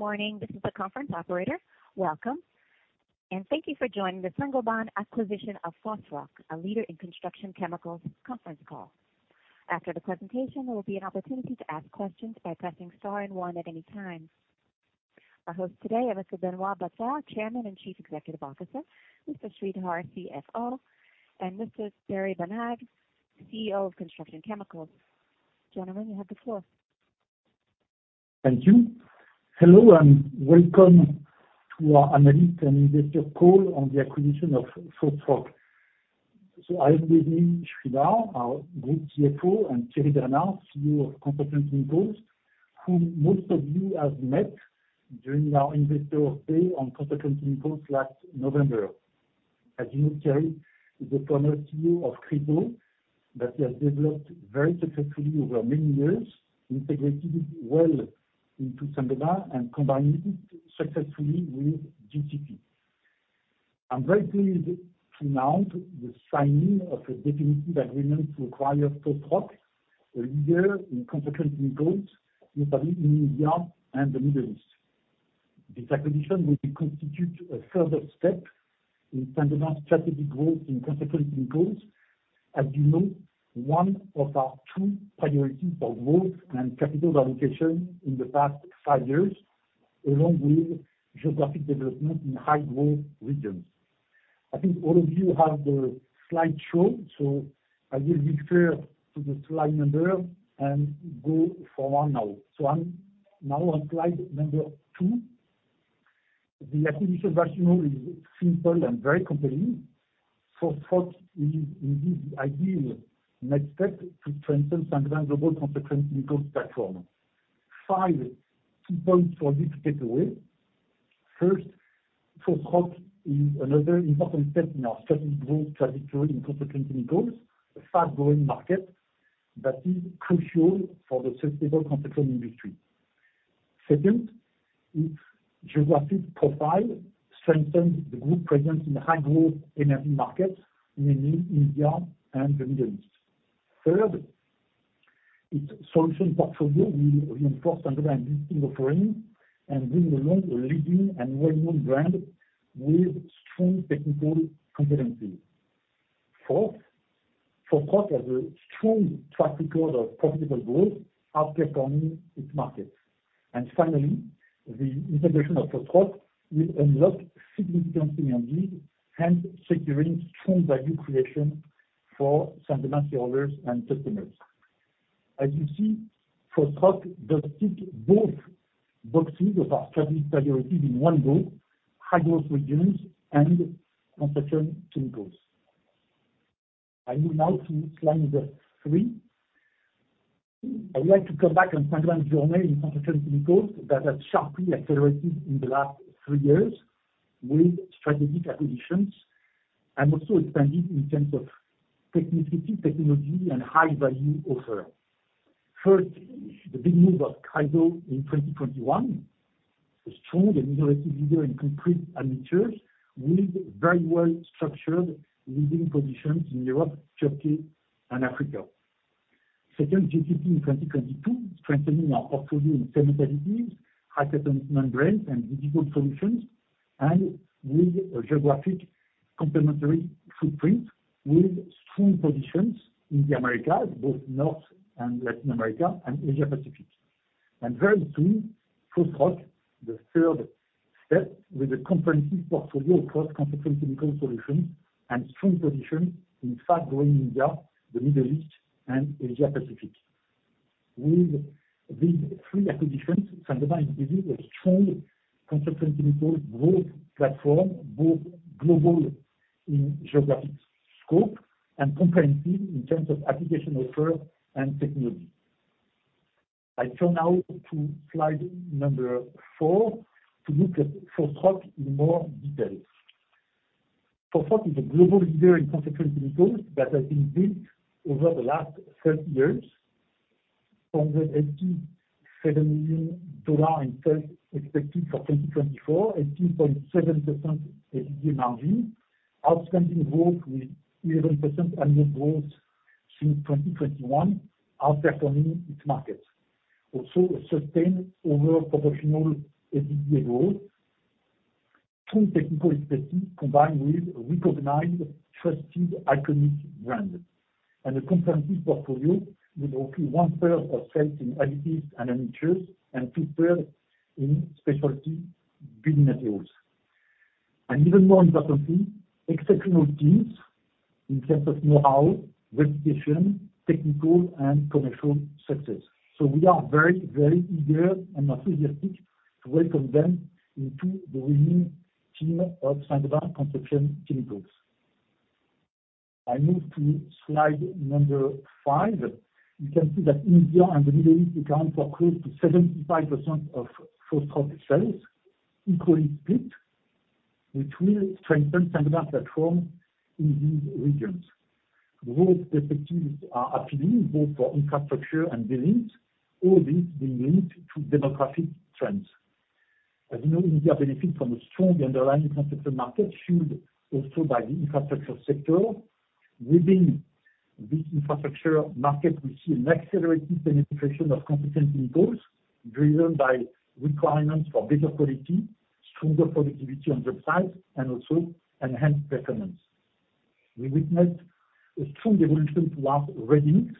Good morning. This is the conference operator. Welcome, and thank you for joining the Saint-Gobain acquisition of Fosroc, a leader in construction chemicals, conference call. After the presentation, there will be an opportunity to ask questions by pressing star and one at any time. Our hosts today are Mr. Benoit Bazin, Chairman and Chief Executive Officer; Mr. Sreedhar, CFO; and Mr. Thierry Bernard, CEO of Construction Chemicals. Gentlemen, you have the floor. Thank you. Hello and welcome to our analysts' and investors' call on the acquisition of Fosroc. So I have with me Sreedhar, our Group CFO, and Thierry Bernard, CEO of Construction Chemicals, who most of you have met during our Investors' Day on Construction Chemicals last November. As you know, Thierry is the former CEO of Chryso that he has developed very successfully over many years, integrated well into Saint-Gobain, and combined it successfully with GCP. I'm very pleased to announce the signing of a definitive agreement to acquire Fosroc, a leader in construction chemicals, notably in India and the Middle East. This acquisition will constitute a further step in Saint-Gobain's strategic growth in construction chemicals. As you know, one of our two priorities for growth and capital allocation in the past five years, along with geographic development in high-growth regions. I think all of you have the slideshow, so I will refer to the slide number and go for one now. So I'm now on slide number two. The acquisition rationale is simple and very compelling. Fosroc is indeed the ideal next step to strengthen Saint-Gobain's global construction chemicals platform. Five key points for you to take away. 1st, Fosroc is another important step in our strategic growth trajectory in construction chemicals, a fast-growing market that is crucial for the sustainable construction industry. 2nd, its geographic profile strengthens the group's presence in high-growth energy markets, mainly India and the Middle East. 3rd, its solution portfolio will reinforce Saint-Gobain's existing offerings and bring along a leading and well-known brand with strong technical competency. 4th, Fosroc has a strong track record of profitable growth, outperforming its markets. And finally, the integration of Fosroc will unlock significant synergies, hence securing strong value creation for Saint-Gobain's shareholders and customers. As you see, Fosroc does tick both boxes of our strategic priorities in one go: high-growth regions and construction chemicals. I move now to slide number three. I would like to come back on Saint-Gobain's journey in construction chemicals that has sharply accelerated in the last three years with strategic acquisitions. I'm also expanding in terms of technicity, technology, and high-value offer. 1st, the big move of Chryso in 2021, a strong and innovative leader in concrete admixtures with very well-structured leading positions in Europe, Turkey, and Africa. 2nd, GCP in 2022, strengthening our portfolio in cement additives, high-performance membranes, and injection solutions, and with a geographic complementary footprint with strong positions in the Americas, both North and Latin America, and Asia-Pacific. Very soon, Fosroc, the third step, with a comprehensive portfolio across construction chemical solutions and strong positions in fast-growing India, the Middle East, and Asia-Pacific. With these three acquisitions, Saint-Gobain is building a strong construction chemical growth platform, both global in geographic scope and comprehensive in terms of application offer and technology. I turn now to slide number four to look at Fosroc in more detail. Fosroc is a global leader in construction chemicals that has been built over the last 30 years, $487 million in sales expected for 2024, 18.7% EBITDA margin, outstanding growth with 11% annual growth since 2021, outperforming its markets. Also, a sustained overproportional EBITDA growth, strong technical expertise combined with recognized, trusted, iconic brands, and a comprehensive portfolio with roughly one-third of sales in additives and admixtures and two-thirds in specialty building materials. Even more importantly, exceptional teams in terms of know-how, reputation, technical, and commercial success. So we are very, very eager and enthusiastic to welcome them into the winning team of Saint-Gobain Construction Chemicals. I move to slide number 5. You can see that India and the Middle East account for close to 75% of Fosroc sales, equally split, which will strengthen Saint-Gobain's platform in these regions. Growth perspectives are appealing, both for infrastructure and buildings, all these being linked to demographic trends. As you know, India benefits from a strong underlying construction market, fueled also by the infrastructure sector. Within this infrastructure market, we see an accelerated penetration of construction chemicals driven by requirements for better quality, stronger productivity on job sites, and also enhanced performance. We witnessed a strong evolution towards ready-mix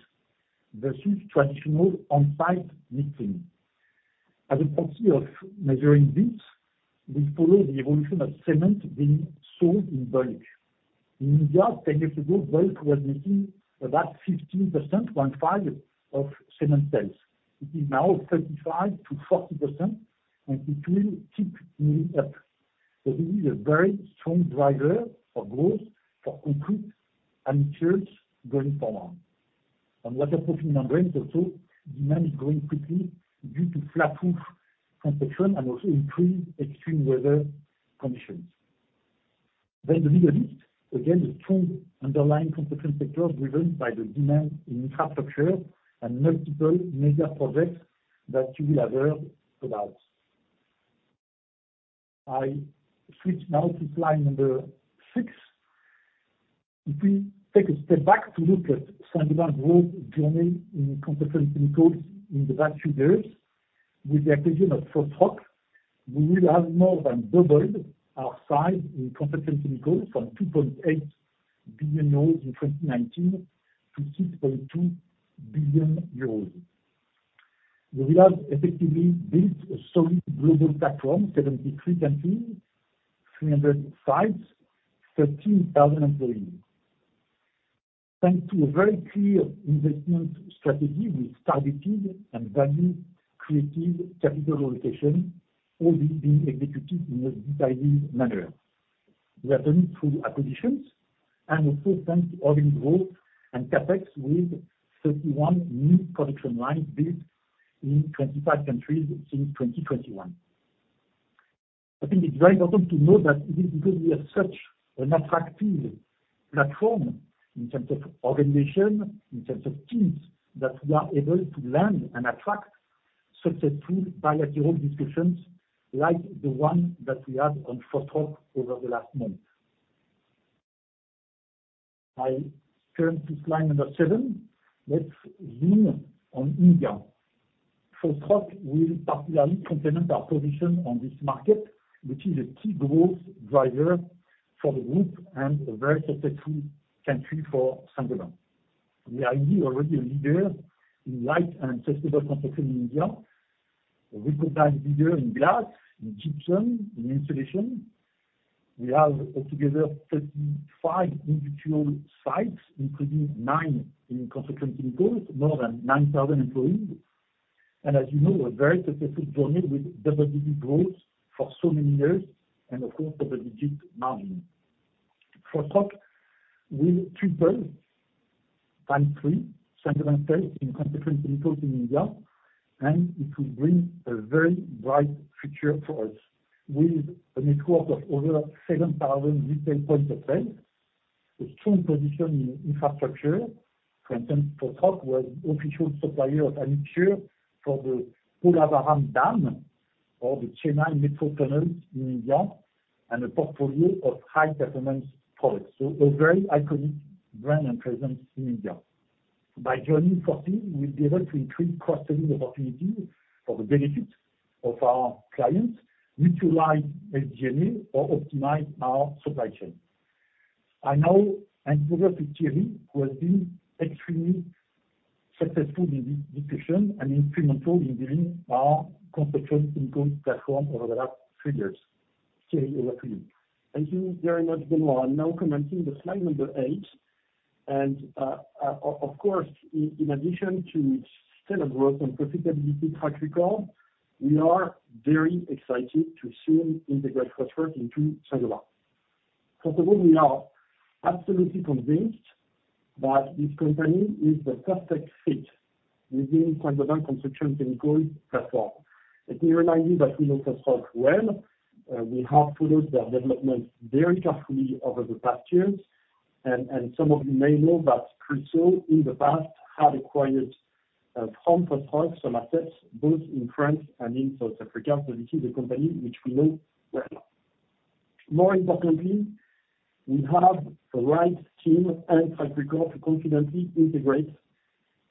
versus traditional on-site mixing. As a proxy of measuring this, we follow the evolution of cement being sold in bulk. In India, 10 years ago, bulk was making about 15%, 1/5 of cement sales. It is now 35%-40%, and it will keep moving up. So this is a very strong driver for growth for concrete admixtures going forward. On waterproofing membranes, also, demand is growing quickly due to flat roof construction and also increased extreme weather conditions. Then the Middle East, again, a strong underlying construction sector driven by the demand in infrastructure and multiple major projects that you will have heard about. I switch now to slide number 6. If we take a step back to look at Saint-Gobain's growth journey in construction chemicals in the past few years, with the acquisition of Fosroc, we will have more than doubled our size in construction chemicals from 2.8 billion euros in 2019 to 6.2 billion euros. We will have effectively built a solid global platform, 73 countries, 300 sites, 13,000 employees. Thanks to a very clear investment strategy with targeted and value-created capital allocation, all these being executed in a detailed manner. We are doing it through acquisitions and also thanks to organic growth and CapEx with 31 new production lines built in 25 countries since 2021. I think it's very important to note that it is because we have such an attractive platform in terms of organization, in terms of teams, that we are able to land and attract successful bilateral discussions like the one that we had on Fosroc over the last month. I turn to slide number seven. Let's zoom on India. Fosroc will particularly complement our position on this market, which is a key growth driver for the group and a very successful country for Saint-Gobain. We are already a leader in light and sustainable construction in India, a recognized leader in glass, in gypsum, in insulation. We have altogether 35 individual sites, including nine in construction chemicals, more than 9,000 employees. And as you know, a very successful journey with double-digit growth for so many years and, of course, double-digit margin. Fosroc will triple times three Saint-Gobain's sales in construction chemicals in India, and it will bring a very bright future for us. With a net worth of over 7,000 retail points of sale, a strong position in infrastructure. For instance, Fosroc was the official supplier of admixtures for the Polavaram Dam or the Chennai Metro Tunnels in India and a portfolio of high-performance products. So a very iconic brand and presence in India. By joining Fosroc, we'll be able to increase cross-selling opportunities for the benefit of our clients, mutualize SG&A, or optimize our supply chain. I now hand over to Thierry, who has been extremely successful in this discussion and instrumental in building our construction chemicals platform over the last three years. Thierry, over to you. Thank you very much, Benoit. Now commenting on slide number eight. Of course, in addition to its stellar growth and profitability track record, we are very excited to soon integrate Fosroc into Saint-Gobain. First of all, we are absolutely convinced that this company is the perfect fit within Saint-Gobain Construction Chemicals' platform. Let me remind you that we know Fosroc well. We have followed their development very carefully over the past years. Some of you may know that Chryso, in the past, had acquired from Fosroc some assets both in France and in South Africa. So this is a company which we know well. More importantly, we have the right team and track record to confidently integrate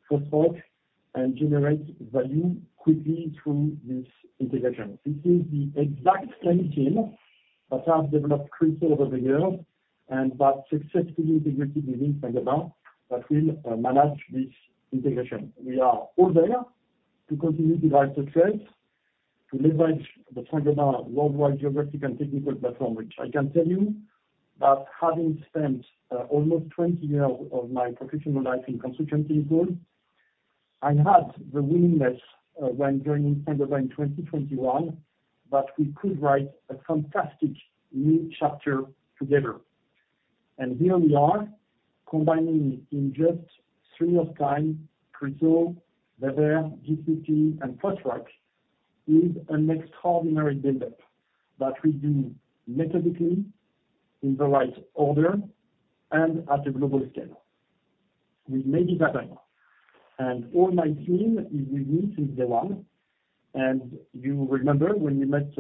Fosroc and generate value quickly through this integration. This is the exact same team that has developed Chryso over the years and that successfully integrated within Saint-Gobain that will manage this integration. We are all there to continue to drive success, to leverage the Saint-Gobain worldwide geographic and technical platform. I can tell you that having spent almost 20 years of my professional life in construction chemicals, I had the willingness when joining Saint-Gobain in 2021 that we could write a fantastic new chapter together. And here we are, combining in just three years' time Chryso, Weber, GCP, and Fosroc with an extraordinary build-up that we do methodically in the right order and at a global scale. With maybe that time. And all my team is with me since day one. You remember when we met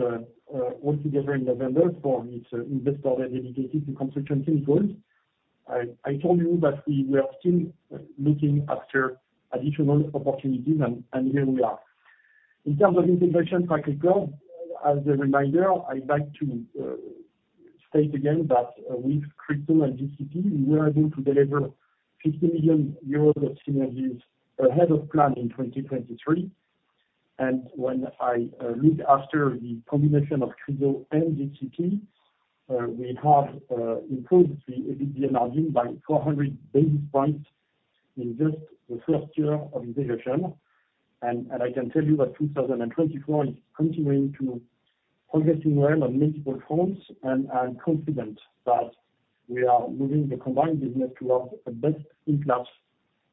all together in November for its investor-dedicated to construction chemicals, I told you that we were still looking after additional opportunities, and here we are. In terms of integration track record, as a reminder, I'd like to state again that with Chryso and GCP, we were able to deliver 50 million euros of synergies ahead of plan in 2023. When I look after the combination of Chryso and GCP, we have improved the EBITDA margin by 400 basis points in just the first year of integration. I can tell you that 2024 is continuing to progress well on multiple fronts, and I'm confident that we are moving the combined business towards a best-in-class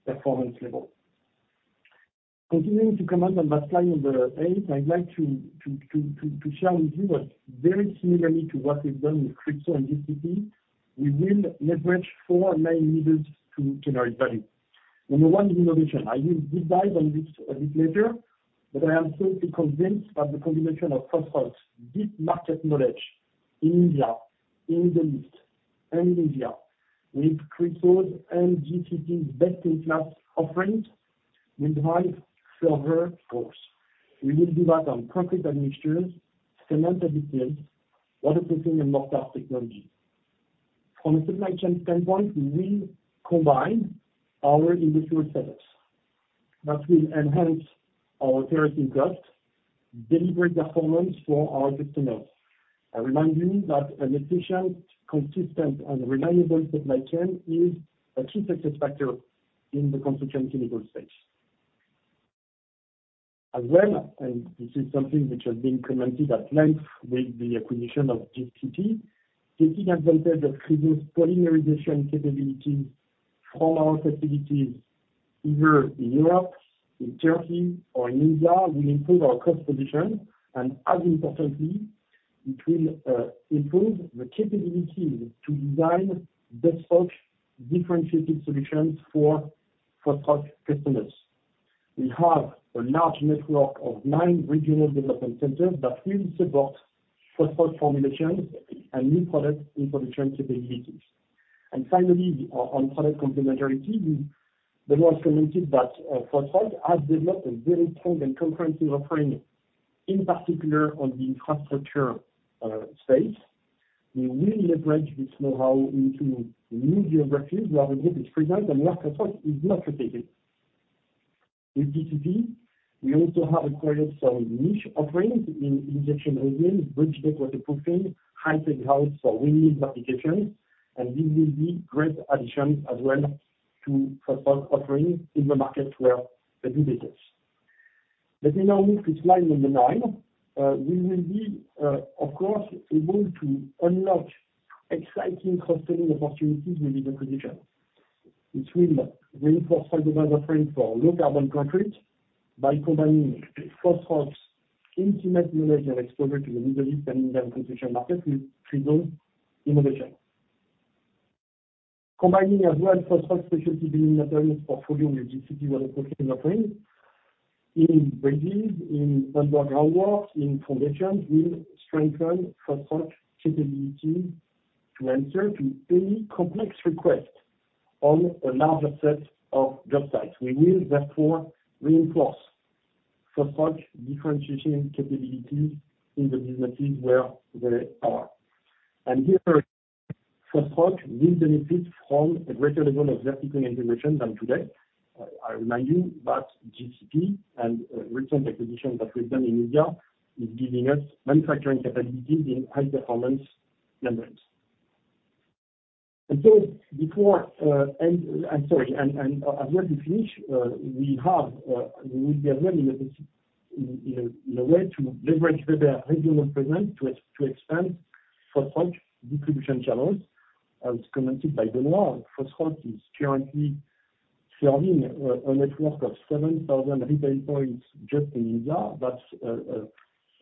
performance level. Continuing to comment on that slide number eight, I'd like to share with you that very similarly to what we've done with Chryso and GCP, we will leverage four main leaders to generate value. Number one is innovation. I will deep dive on this a bit later, but I am absolutely convinced that the combination of Fosroc's deep market knowledge in India, in the Middle East, and in India, with Chryso's and GCP's best-in-class offerings will drive further growth. We will do that on concrete admixtures, cement additives, waterproofing, and more fast technologies. From a supply chain standpoint, we will combine our industrial setups that will enhance our operating costs, delivering performance for our customers. I remind you that an efficient, consistent, and reliable supply chain is a key success factor in the construction chemical space. As well, and this is something which has been commented at length with the acquisition of GCP, taking advantage of Chryso's polymerization capabilities from our facilities either in Europe, in Turkey, or in India, will improve our cost position. And as importantly, it will improve the capabilities to design best-of-differentiated solutions for Fosroc customers. We have a large network of nine regional development centers that will support Fosroc formulations and new product introduction capabilities. And finally, on product complementarity, Benoit has commented that Fosroc has developed a very strong and comprehensive offering, in particular on the infrastructure space. We will leverage this know-how into new geographies where the group is present and where Fosroc is not located. With GCP, we also have acquired some niche offerings in injection resins, bridge deck waterproofing, high-tech valves for windmill applications, and these will be great additions as well to Fosroc's offerings in the market where they do business. Let me now move to slide number 9. We will be, of course, able to unlock exciting cross-selling opportunities with this acquisition. This will reinforce Saint-Gobain's offering for low-carbon construction. By combining Fosroc's intimate knowledge and exposure to the Middle East and Indian construction markets with Chryso's innovation. Combining as well Fosroc's specialty building materials portfolio with GCP waterproofing offerings in bridges, in underground works, in foundations will strengthen Fosroc's capabilities to answer any complex request on a larger set of job sites. We will, therefore, reinforce Fosroc's differentiation capabilities in the businesses where they are. And here, Fosroc will benefit from a greater level of vertical integration than today. I remind you that GCP and recent acquisitions that we've done in India are giving us manufacturing capabilities in high-performance membranes. And so before, and as well to finish, we would be as well in a way to leverage Weber's regional presence to expand Fosroc's distribution channels. As commented by Benoit, Fosroc is currently serving a network of 7,000 retail points just in India. That's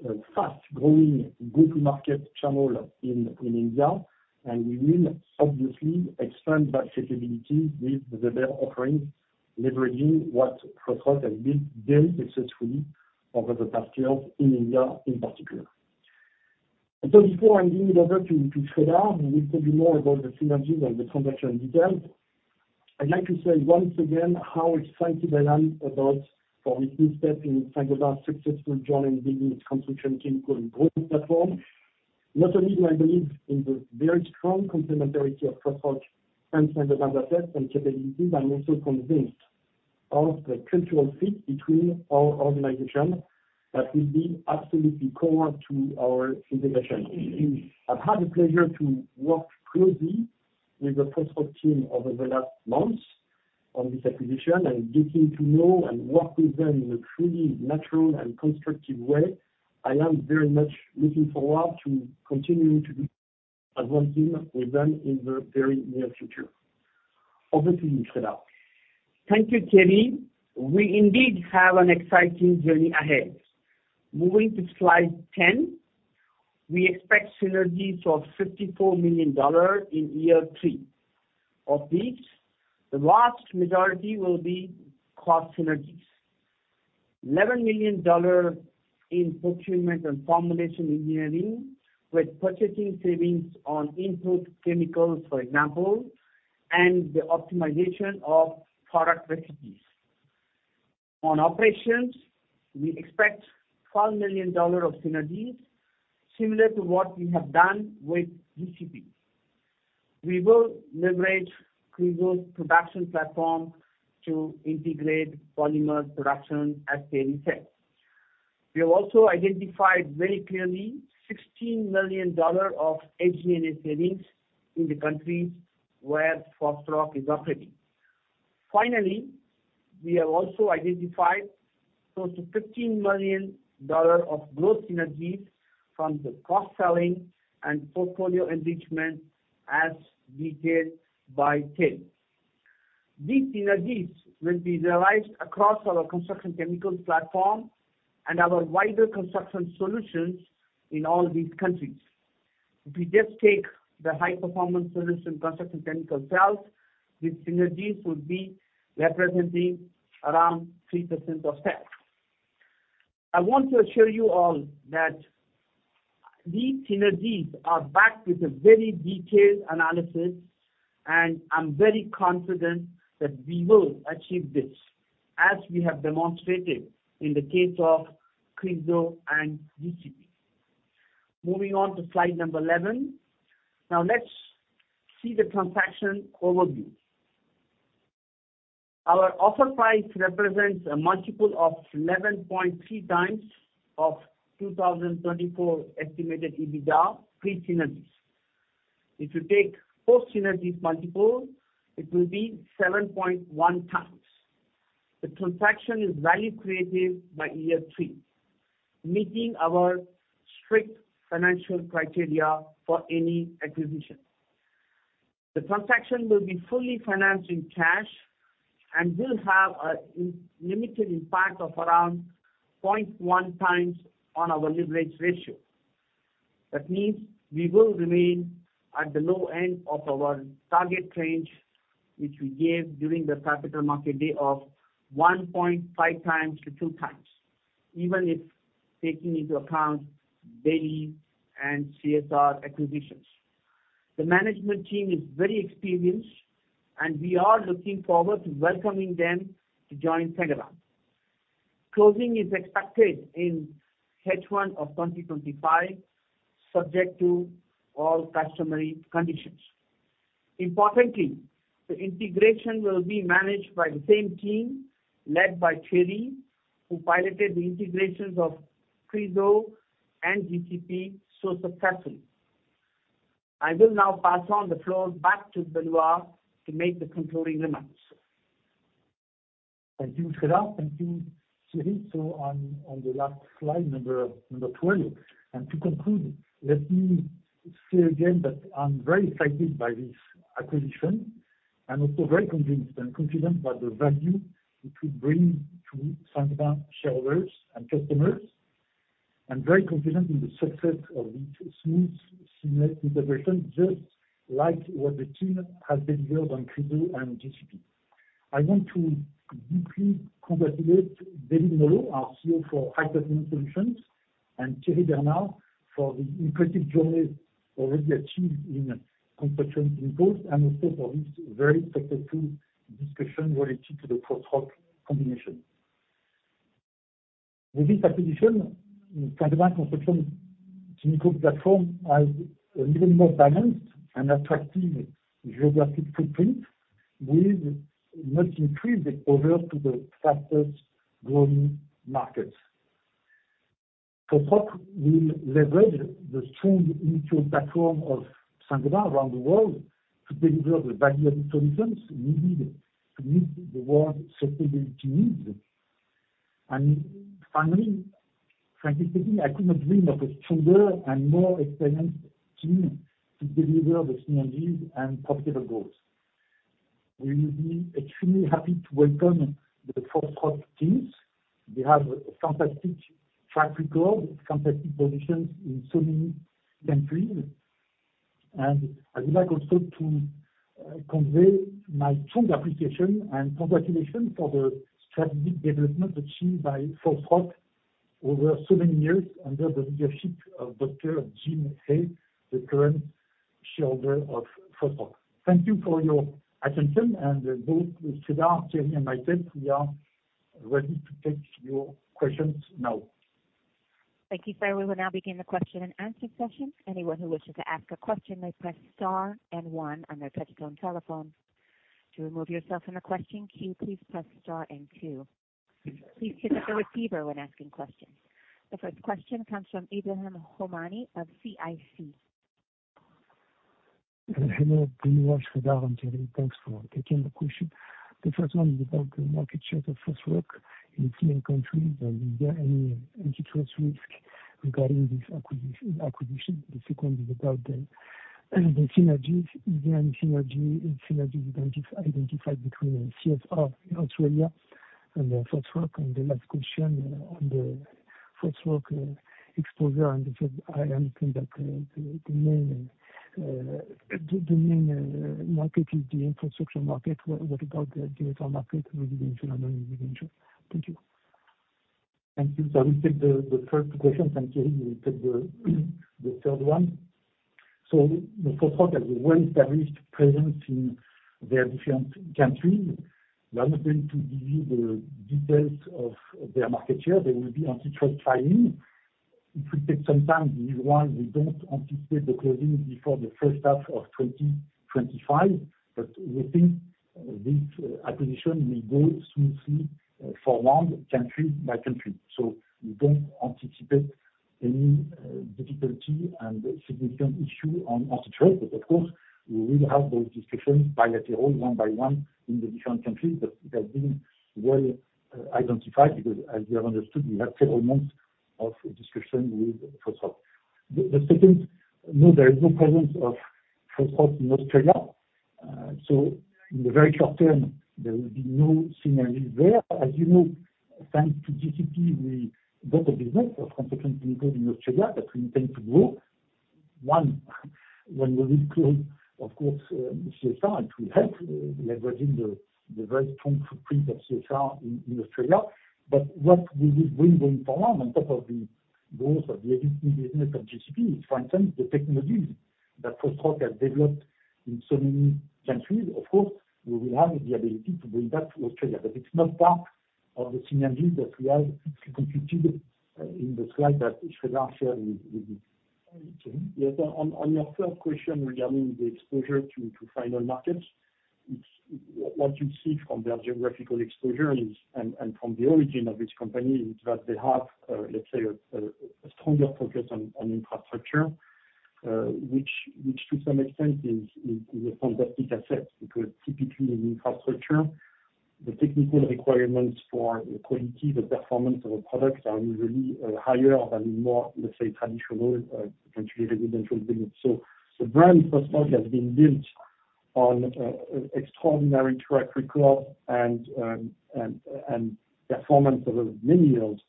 a fast-growing go-to-market channel in India. And we will obviously expand that capability with Weber's offerings, leveraging what Fosroc has built very successfully over the past years in India in particular. And so before I hand it over to Sreedhar, who will tell you more about the synergies and the transaction details, I'd like to say once again how excited I am about this new step in Saint-Gobain's successful journey in building its construction chemical growth platform. Not only do I believe in the very strong complementarity of Fosroc and Saint-Gobain's assets and capabilities, I'm also convinced of the cultural fit between our organization that will be absolutely core to our integration. I've had the pleasure to work closely with the Fosroc team over the last months on this acquisition and getting to know and work with them in a truly natural and constructive way. I am very much looking forward to continuing to advance with them in the very near future. Over to you, Sreedhar. Thank you, Thierry. We indeed have an exciting journey ahead. Moving to slide 10, we expect synergies of $54 million in year three. Of these, the vast majority will be cost synergies. $11 million in procurement and formulation engineering with purchasing savings on input chemicals, for example, and the optimization of product recipes. On operations, we expect $12 million of synergies similar to what we have done with GCP. We will leverage Chryso's production platform to integrate polymer production as they request. We have also identified very clearly $16 million of SG&A savings in the countries where Fosroc is operating. Finally, we have also identified close to $15 million of growth synergies from the cross-selling and portfolio enrichment as detailed by Thierry. These synergies will be realized across our construction chemicals platform and our wider construction solutions in all these countries. If we just take the High-Performance Solutions construction chemicals sales, these synergies would be representing around 3% of sales. I want to assure you all that these synergies are backed with a very detailed analysis, and I'm very confident that we will achieve this as we have demonstrated in the case of Chryso and GCP. Moving on to slide number 11. Now let's see the transaction overview. Our offer price represents a multiple of 11.3x of 2024 estimated EBITDA pre-synergies. If you take post-synergies multiple, it will be 7.1x. The transaction is value created by year three, meeting our strict financial criteria for any acquisition. The transaction will be fully financed in cash and will have a limited impact of around 0.1x on our leverage ratio. That means we will remain at the low end of our target range, which we gave during the capital market day of 1.5x to 2x, even if taking into account Chryso and CSR acquisitions. The management team is very experienced, and we are looking forward to welcoming them to join Saint-Gobain. Closing is expected in H1 of 2025, subject to all customary conditions. Importantly, the integration will be managed by the same team led by Thierry, who piloted the integrations of Chryso and GCP so successfully. I will now pass on the floor back to Benoit to make the concluding remarks. Thank you, Sreedhar. Thank you, Thierry. So on the last slide, number 12. To conclude, let me say again that I'm very excited by this acquisition and also very convinced and confident about the value it will bring to Saint-Gobain shareholders and customers, and very confident in the success of this smooth, seamless integration, just like what the team has delivered on Chryso and GCP. I want to deeply congratulate David Molho, our CEO for High Performance Solutions, and Thierry Bernard for the impressive journey already achieved in construction chemicals and also for this very successful discussion related to the Fosroc combination. With this acquisition, Saint-Gobain's construction chemical platform has an even more balanced and attractive geographic footprint, with much increased exposure to the fastest-growing markets. Fosroc will leverage the strong initial platform of Saint-Gobain around the world to deliver the value-added solutions needed to meet the world's sustainability needs. Finally, frankly speaking, I could not dream of a stronger and more experienced team to deliver the synergies and profitable growth. We will be extremely happy to welcome the Fosroc teams. They have a fantastic track record, fantastic positions in so many countries. And I would like also to convey my strong appreciation and congratulations for the strategic development achieved by Fosroc over so many years under the leadership of Dr. Jim Hay, the current shareholder of Fosroc. Thank you for your attention. And both Sreedhar, Thierry, and myself, we are ready to take your questions now. Thank you, sir. We will now begin the question and answer session. Anyone who wishes to ask a question may press star and one on their touchstone telephone. To remove yourself from the question queue, please press star and two. Please pick up the receiver when asking questions. The first question comes from Abraham Homsy of CIC. Hello. Benoit, Sreedhar, and Thierry, thanks for taking the question. The first one is about the market share of Fosroc in a single country. Is there any antitrust risk regarding this acquisition? The second is about the synergies. Is there any synergy identified between CSR in Australia and Fosroc? And the last question on the Fosroc exposure, I understand that the main market is the infrastructure market. What about the residential market within Saint-Gobain and within Europe? Thank you. Thank you. I will take the first question. Thank you, Thierry. We will take the third one. So Fosroc has a well-established presence in their different countries. We are not going to give you the details of their market share. There will be antitrust filing. It will take some time. Benoit, we don't anticipate the closing before the first half of 2025, but we think this acquisition may go smoothly forward country by country. So we don't anticipate any difficulty and significant issue on antitrust. But of course, we will have those discussions bilaterally, one by one in the different countries, but it has been well identified because, as you have understood, we have several months of discussion with Fosroc. The second, no, there is no presence of Fosroc in Australia. So in the very short term, there will be no synergies there. As you know, thanks to GCP, we got a business of construction chemicals in Australia that we intend to grow. Once, when we will close, of course, CSR, it will help leveraging the very strong footprint of CSR in Australia. But what we will bring going forward on top of the growth of the existing business of GCP is, for instance, the technologies that Fosroc has developed in so many countries. Of course, we will have the ability to bring that to Australia, but it's not part of the synergies that we have computed in the slide that Sreedhar shared with you. Yes. On your first question regarding the exposure to end markets, what you see from their geographical exposure and from the origin of this company is that they have, let's say, a stronger focus on infrastructure, which to some extent is a fantastic asset because typically in infrastructure, the technical requirements for the quality, the performance of a product are usually higher than in more, let's say, traditional, potentially residential buildings. So the brand Fosroc has been built on extraordinary track record and performance over many years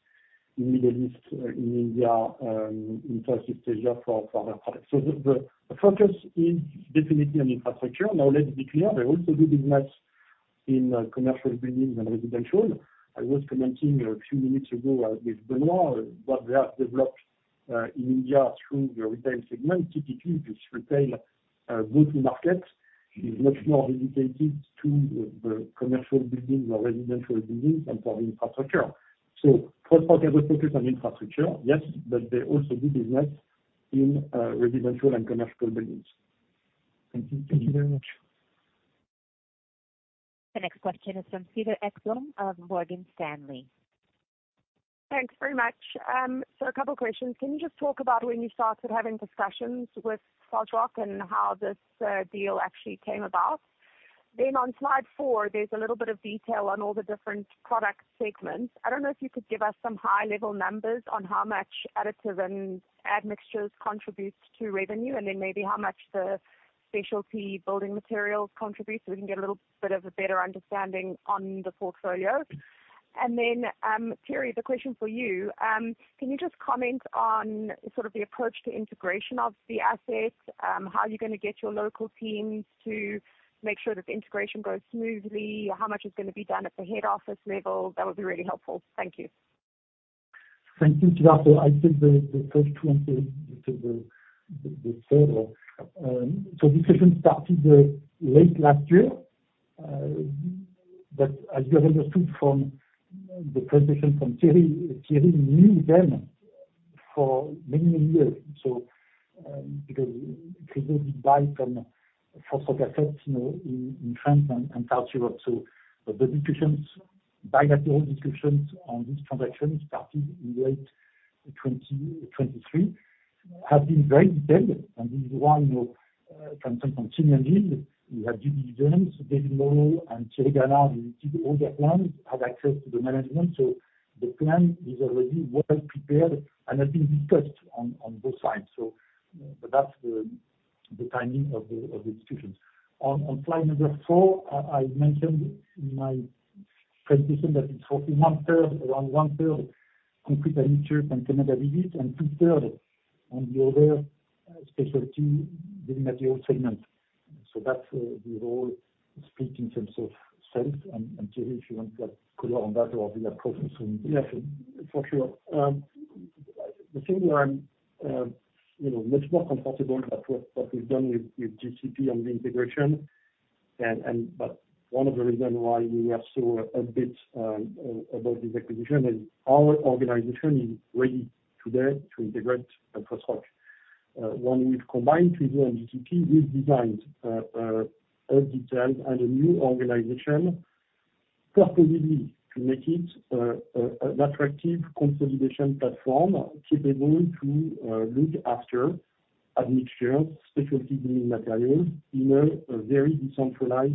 in the Middle East, in India, in Southeast Asia for their products. So the focus is definitely on infrastructure. Now, let's be clear, they also do business in commercial buildings and residential. I was commenting a few minutes ago with Benoit on what they have developed in India through the retail segment. Typically, this retail go-to-market is much more dedicated to the commercial buildings or residential buildings and for the infrastructure. So Fosroc has a focus on infrastructure, yes, but they also do business in residential and commercial buildings. Thank you. Thank you very much. The next question is from Cedar Ekblom of Morgan Stanley. Thanks very much. So a couple of questions. Can you just talk about when you started having discussions with Fosroc and how this deal actually came about? Then on slide four, there's a little bit of detail on all the different product segments. I don't know if you could give us some high-level numbers on how much additives and admixtures contribute to revenue and then maybe how much the specialty building materials contribute so we can get a little bit of a better understanding on the portfolio? And then, Thierry, the question for you. Can you just comment on sort of the approach to integration of the assets? How are you going to get your local teams to make sure that the integration goes smoothly? How much is going to be done at the head office level? That would be really helpful. Thank you. Thank you, Sreedhar. So I'll take the first one to the third. So this session started late last year. But as you have understood from the presentation from Thierry, Thierry knew them for many, many years. So because Chryso did buy some Fosroc assets in France and southern Europe. So the bilateral discussions on this transaction started in late 2023, have been very detailed. And Benoit, for instance, on synergies, we had two due diligence visits, David Molho, and Thierry Bernard visited all their plants, had access to the management. So the plan is already well prepared and has been discussed on both sides. So that's the timing of the discussions. On slide number four, I mentioned in my presentation that it's roughly 1/3, around 1/3, concrete admixtures and two-thirds on the other specialty building material segment. That's the overall split in terms of sales. Thierry, if you want to add color on that or the approach to some of the questions. Yes, for sure. The thing where I'm much more comfortable is that what we've done with GCP on the integration, but one of the reasons why we were so upbeat about this acquisition is our organization is ready today to integrate with Fosroc. When we've combined Chryso and GCP, we've designed a detailed and a new organization purposely to make it an attractive consolidation platform capable to look after admixtures, specialty building materials in a very decentralized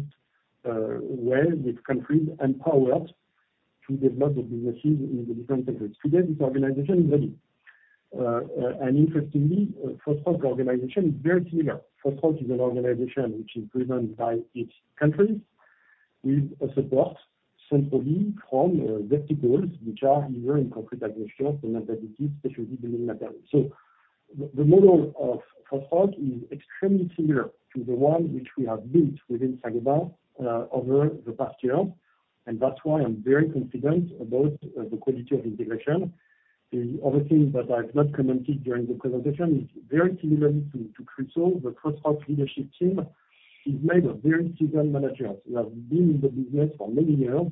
way with countries empowered to develop the businesses in the different countries. Today, this organization is ready. Interestingly, Fosroc organization is very similar. Fosroc is an organization which is driven by its countries with support centrally from verticals which are either in concrete admixtures and additives, specialty building materials. So the model of Fosroc is extremely similar to the one which we have built within Saint-Gobain over the past years. And that's why I'm very confident about the quality of integration. The other thing that I've not commented during the presentation is very similar to Chryso, the Fosroc leadership team is made of very seasoned managers who have been in the business for many years.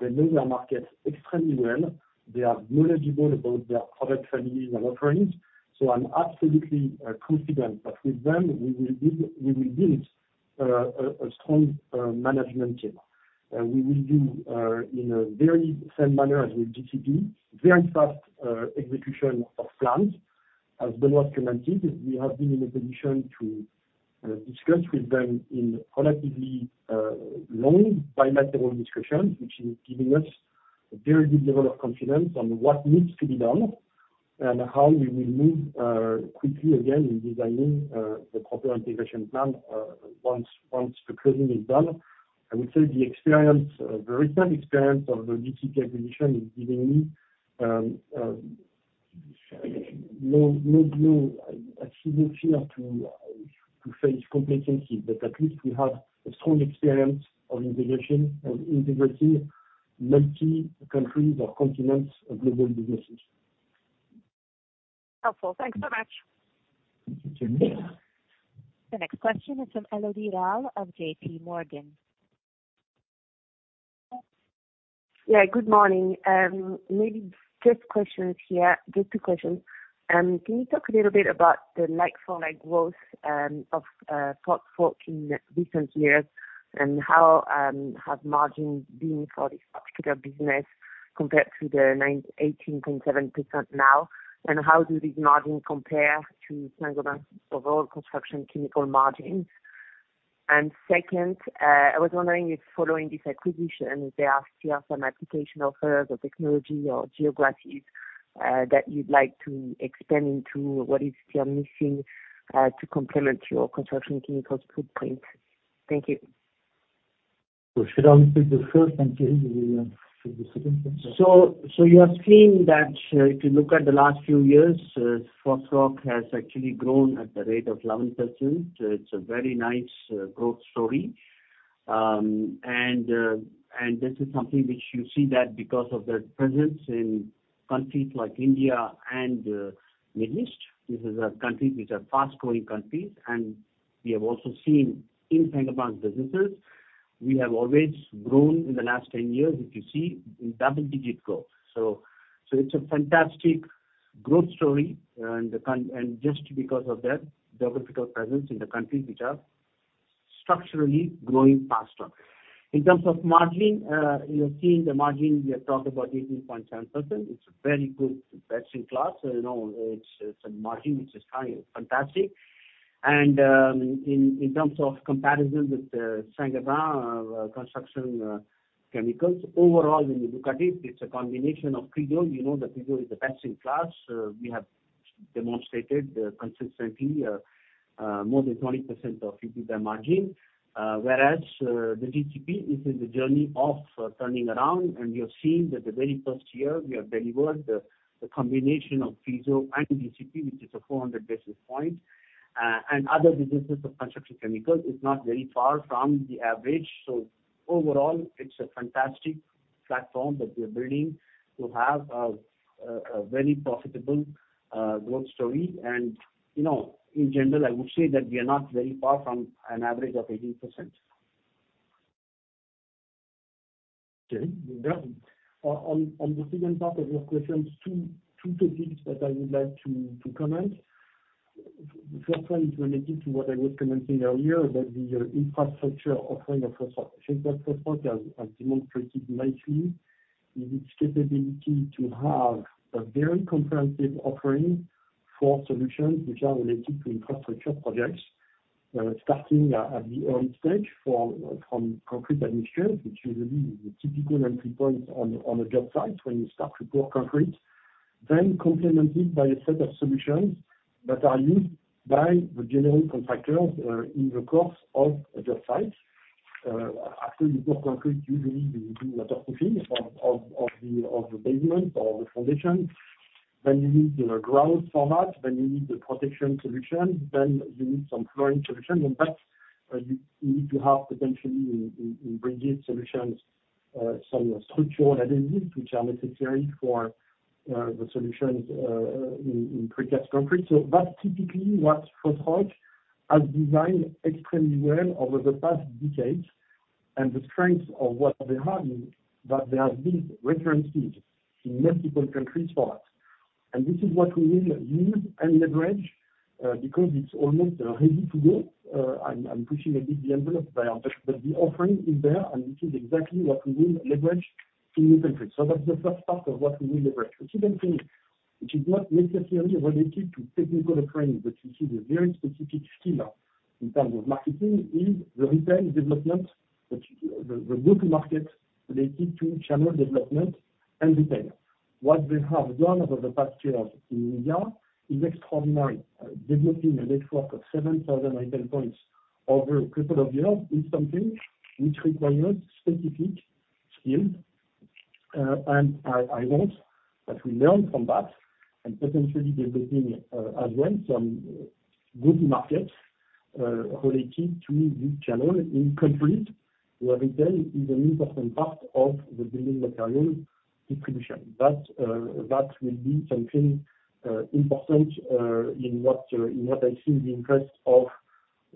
They know their market extremely well. They are knowledgeable about their product families and offerings. So I'm absolutely confident that with them, we will build a strong management team. We will do, in a very same manner as with GCP, very fast execution of plans. As Benoit commented, we have been in a position to discuss with them in relatively long bilateral discussions, which is giving us a very good level of confidence on what needs to be done and how we will move quickly again in designing the proper integration plan once the closing is done. I would say the experience, the recent experience of the GCP acquisition is giving me no fear to face complacency, but at least we have a strong experience of integrating multi-countries or continents of global businesses. Helpful. Thanks so much. Thank you, Cedar. The next question is from Elodie Rall of JPMorgan. Yeah, good morning. Maybe just two questions here. Can you talk a little bit about the like-for-like growth of Fosroc in recent years and how have margins been for this particular business compared to the 18.7% now? And how do these margins compare to Saint-Gobain's overall construction chemicals margins? And second, I was wondering if following this acquisition, if there are still some application offers or technology or geographies that you'd like to expand into, what is still missing to complement your construction chemicals footprint? Thank you. Sreedhar, you said the first, and Thierry, you said the second. So you have seen that if you look at the last few years, Fosroc has actually grown at the rate of 11%. So it's a very nice growth story. And this is something which you see that because of the presence in countries like India and the Middle East. These are countries which are fast-growing countries. And we have also seen in Saint-Gobain's businesses, we have always grown in the last 10 years, if you see, in double-digit growth. So it's a fantastic growth story. And just because of that geographical presence in the countries which are structurally growing faster. In terms of margin, you're seeing the margin, we have talked about 18.7%. It's a very good best-in-class. So it's a margin which is fantastic. And in terms of comparison with Saint-Gobain construction chemicals, overall, when you look at it, it's a combination of Chryso. You know that Chryso is the best-in-class. We have demonstrated consistently more than 20% of EBITDA margin, whereas the GCP is in the journey of turning around. And you've seen that the very first year, we have delivered the combination of Chryso and GCP, which is a 400 basis points. And other businesses of construction chemicals is not very far from the average. So overall, it's a fantastic platform that we are building to have a very profitable growth story. And in general, I would say that we are not very far from an average of 18%. Okay. On the second half of your questions, two topics that I would like to comment. The first one is related to what I was commenting earlier about the infrastructure offering of Fosroc. I think that Fosroc has demonstrated nicely its capability to have a very comprehensive offering for solutions which are related to infrastructure projects, starting at the early stage from concrete admixtures, which usually is the typical entry point on a job site when you start to pour concrete, then complemented by a set of solutions that are used by the general contractors in the course of a job site. After you pour concrete, usually you do waterproofing of the basement or the foundation. Then you need the grout for that. Then you need the protection solutions. Then you need some flooring solutions. And that's what you need to have potentially in bridge solutions, some structural adhesives which are necessary for the solutions in precast concrete. So that's typically what Fosroc has designed extremely well over the past decades. And the strength of what they have is that there have been references in multiple countries for that. And this is what we will use and leverage because it's almost ready to go. I'm pushing a bit the envelope, but the offering is there, and this is exactly what we will leverage in new countries. So that's the first part of what we will leverage. The second thing, which is not necessarily related to technical offerings, but you see the very specific skill in terms of marketing is the retail development, the go-to-market related to channel development and retail. What they have done over the past years in India is extraordinary. Developing a network of 7,000 retail points over a couple of years is something which requires specific skills. I want that we learn from that and potentially developing as well some go-to-market related to this channel in countries where retail is an important part of the building materials distribution. That will be something important in what I see the interest of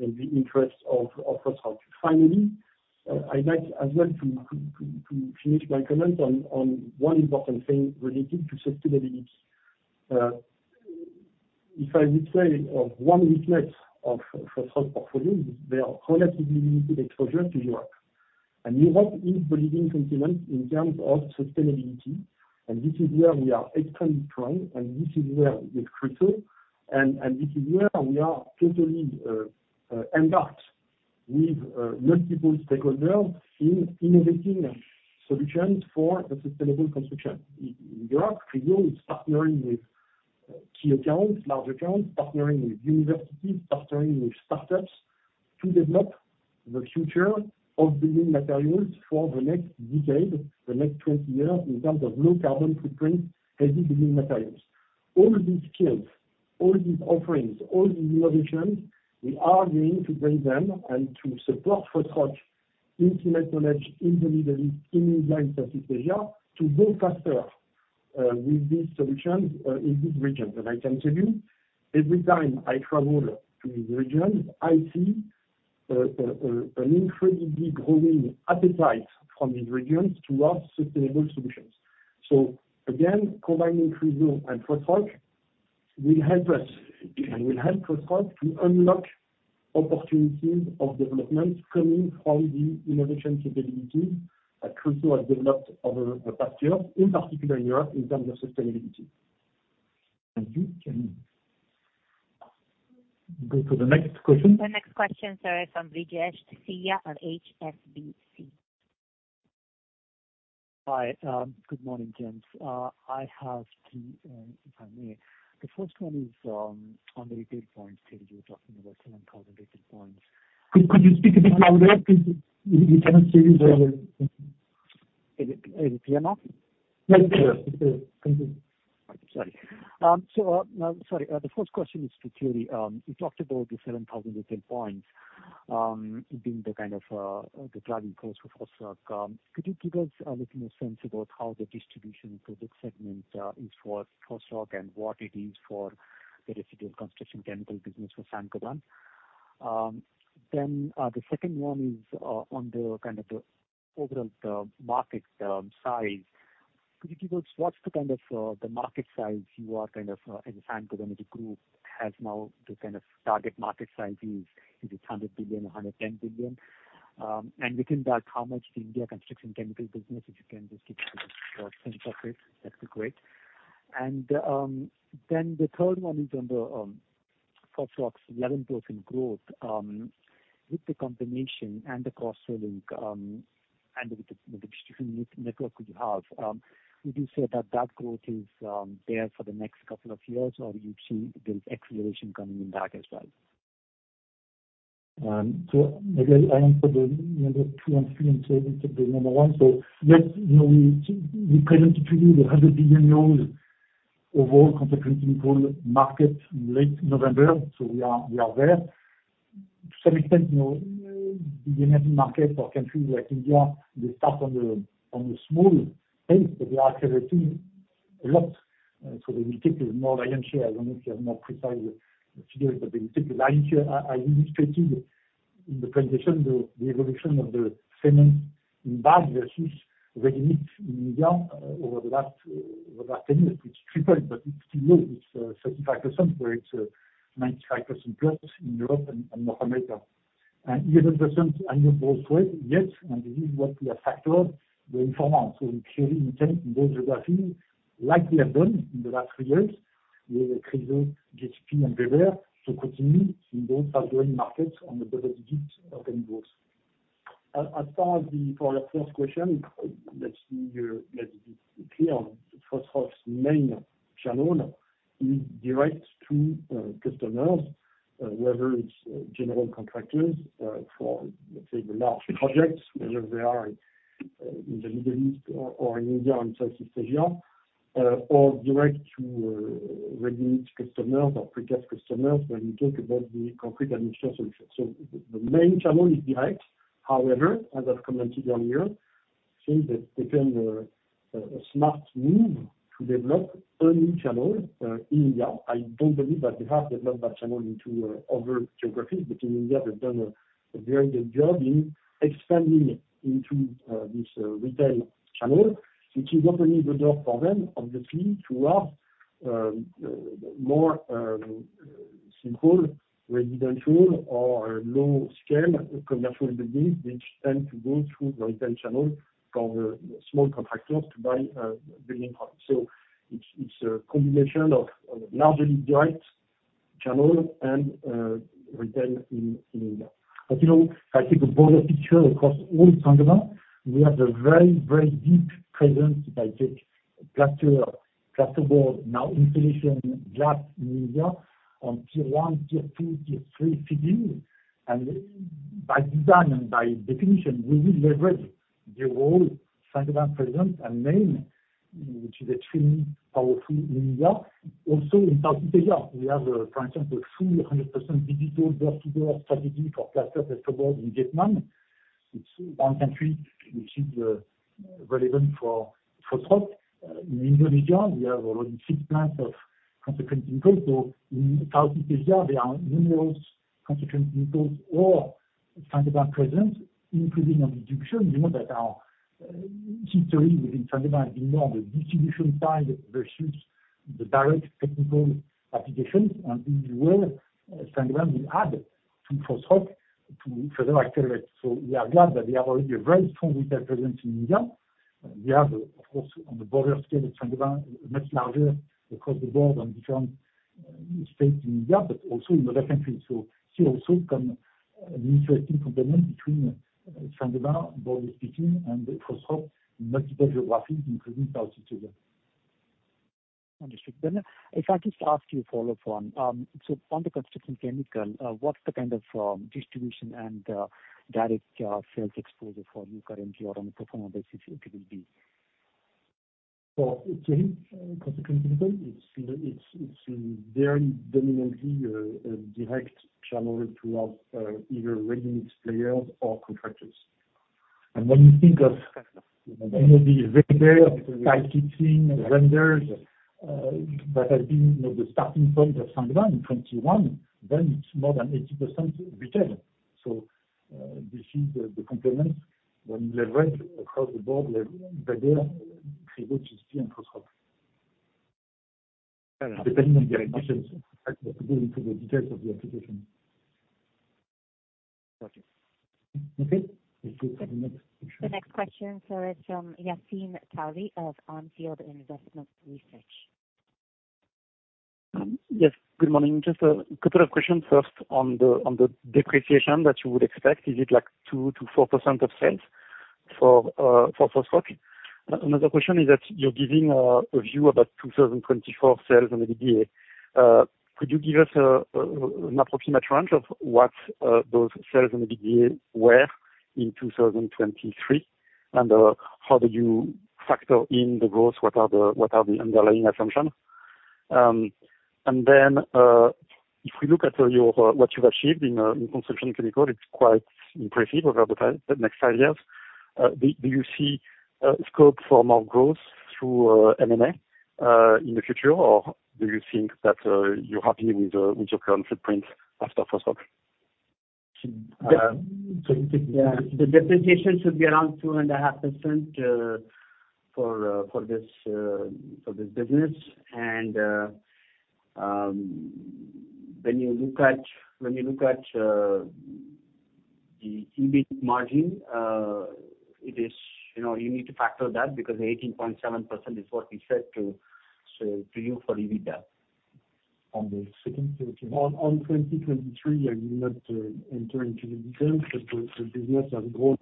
Fosroc. Finally, I'd like as well to finish my comments on one important thing related to sustainability. If I would say of one weakness of Fosroc's portfolio, it is their relatively limited exposure to Europe. Europe is the leading continent in terms of sustainability. This is where we are extremely strong. This is where with Chryso, and this is where we are totally embarked with multiple stakeholders in innovating solutions for the sustainable construction. In Europe, Chryso is partnering with key accounts, large accounts, partnering with universities, partnering with startups to develop the future of building materials for the next decade, the next 20 years in terms of low carbon footprint, heavy building materials. All these skills, all these offerings, all these innovations, we are going to bring them and to support Fosroc intimate knowledge in the Middle East, in India, in Southeast Asia to go faster with these solutions in these regions. I can tell you, every time I travel to these regions, I see an incredibly growing appetite from these regions towards sustainable solutions. So again, combining Chryso and Fosroc will help us and will help Fosroc to unlock opportunities of development coming from the innovation capabilities that Chryso has developed over the past years, in particular in Europe in terms of sustainability. Thank you. Can we go to the next question? The next question, Brijesh Siya, CEO of HSBC. Hi. Good morning, James. I have three, if I may. The first one is on the retail points. Thierry, you were talking about 7,000 retail points. Could you speak a bit louder? We cannot hear you very well. Is it clear enough? Yes, it's clear. It's clear. Thank you. Right. Sorry. So sorry. The first question is to Thierry. You talked about the 7,000 retail points being the kind of the driving force for Fosroc. Could you give us a little more sense about how the distribution of the segment is for Fosroc and what it is for the residual construction chemical business for Saint-Gobain? Then the second one is on the kind of the overall market size. Could you give us what's the kind of the market size you are kind of as a Saint-Gobain as a group has now the kind of target market size is? Is it 100 billion, 110 billion? And within that, how much the India construction chemical business, if you can just give us a sense of it, that would be great. And then the third one is on the Fosroc's 11% growth. With the combination and the cross-selling and the distribution network you have, would you say that that growth is there for the next couple of years, or do you see there's acceleration coming in that as well? So maybe I answer the number two and three instead of the number one. So yes, we presented to you the EUR 100 billion overall construction chemicals market in late November. So we are there. To some extent, the emerging markets or countries like India, they start on a small base, but they are creating a lot. So they will take a small lion's share. I don't know if you have more precise figures, but they will take the lion's share. As you illustrated in the presentation, the evolution of the cement in bag versus ready-mix in India over the last 10 years, which tripled, but it's still low. It's 35%, where it's 95%+ in Europe and North America. And 11% annual growth rate yet. And this is what we have factored in the information. So Thierry, you can, in those geographies, like we have done in the last three years with Chryso, GCP, and Weber, so continue in those fast-growing markets on the double-digit organic growth. As far as the first question, let's be clear. Fosroc's main channel is direct to customers, whether it's general contractors for, let's say, the large projects, whether they are in the Middle East or in India and Southeast Asia, or direct to ready-mix customers or precast customers when you talk about the concrete admixture solution. So the main channel is direct. However, as I've commented earlier, I think that they've done a smart move to develop a new channel in India. I don't believe that they have developed that channel into other geographies, but in India, they've done a very good job in expanding into this retail channel, which is opening the door for them, obviously, towards more simple residential or low-scale commercial buildings which tend to go through the retail channel for the small contractors to buy building products. So it's a combination of largely direct channel and retail in India. As you know, if I take a broader picture across all of Saint-Gobain, we have a very, very deep presence, if I take plasterboard, now insulation, glass in India on tier one, tier two, tier three buildings. And by design and by definition, we will leverage the role of Saint-Gobain presence and name, which is extremely powerful in India. Also in Southeast Asia, we have, for instance, a full 100% digital door-to-door strategy for plaster and plasterboard in Vietnam. It's one country which is relevant for Fosroc. In Indonesia, we have already six plants of construction chemicals. So in Southeast Asia, there are numerous construction chemicals or Saint-Gobain presence, including on distribution. You know that our history within Saint-Gobain has been more on the distribution side versus the direct technical applications. And this is where Saint-Gobain will add to Fosroc to further accelerate. So we are glad that we have already a very strong retail presence in India. We have, of course, on the broader scale of Saint-Gobain, much larger across the board on different states in India, but also in other countries. So here also come an interesting component between Saint-Gobain, broadly speaking, and Fosroc in multiple geographies, including Southeast Asia. Understood. Then if I just ask you a follow-up one. So on the construction chemical, what's the kind of distribution and direct sales exposure for you currently or on a pro forma basis, it will be? For Thierry, construction chemicals, it's very dominantly a direct channel towards either ready-mix players or contractors. When you think of the Weber, the Chryso, the vendors that have been the starting point of Saint-Gobain in 2021, then it's more than 80% retail. This is the component when you leverage across the board Weber, Chryso, GCP, and Fosroc, depending on the applications. I have to go into the details of the application. Gotcha. Okay. Let's go to the next question. The next question, Yassine Touahri of OnField Investment Research. Yes. Good morning. Just a couple of questions first on the depreciation that you would expect. Is it like 2%-4% of sales for Fosroc? Another question is that you're giving a view about 2024 sales and EBITDA. Could you give us an approximate range of what those sales and EBITDA were in 2023? And how did you factor in the growth? What are the underlying assumptions? And then if we look at what you've achieved in construction chemical, it's quite impressive over the next five years. Do you see scope for more growth through M&A in the future, or do you think that you're happy with your current footprint after Fosroc? The depreciation should be around 2.5% for this business. When you look at the EBITDA margin, you need to factor that because 18.7% is what we said to you for EBITDA there. On the second question. On 2023, I will not enter into the details, but the business has grown,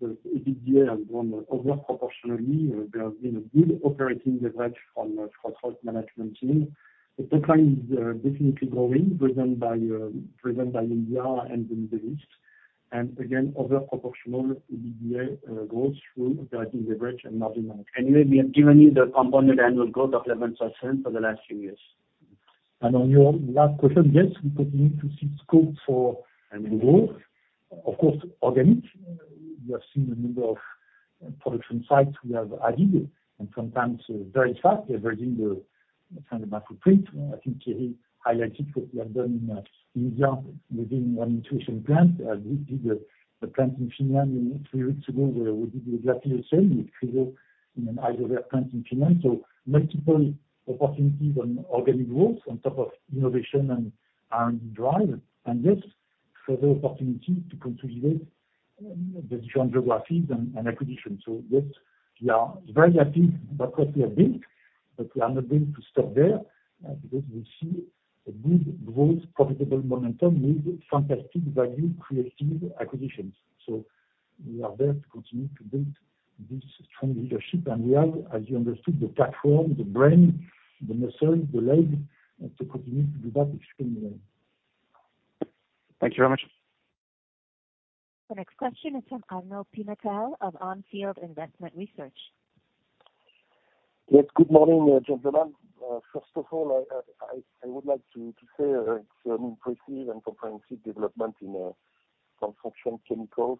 the EBITDA has grown overproportionally. There has been a good operating leverage from the Fosroc management team. The top line is definitely growing, driven by India and the Middle East. And again, overproportional EBITDA growth through operating leverage and margin management. Anyway, we have given you the compounded annual growth of 11% for the last few years. And on your last question, yes, we continue to see scope for growth. Of course, organic, we have seen a number of production sites we have added, and sometimes very fast, leveraging the Saint-Gobain footprint. I think Thierry highlighted what we have done in India within one Isover plant. We did a plant in Finland three weeks ago where we did exactly the same with Chryso in an Isover plant in Finland. So multiple opportunities on organic growth on top of innovation and R&D drive. And yes, further opportunities to consolidate the different geographies and acquisitions. So yes, we are very happy about what we have built, but we are not going to stop there because we see a good growth, profitable momentum with fantastic value-creative acquisitions. So we are there to continue to build this strong leadership. We have, as you understood, the platform, the brain, the muscles, the legs to continue to do that extremely well. Thank you very much. The next question is from Arnaud Pinatel of Onfield Investment Research. Yes. Good morning, gentlemen. First of all, I would like to say it's an impressive and comprehensive development in construction chemicals,